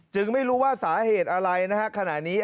ไม่รู้ว่าสาเหตุอะไรนะฮะขณะนี้